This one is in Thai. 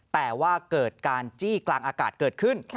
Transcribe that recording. แต่ว่าเกิดการจี้กลางอากาศเกิดขึ้น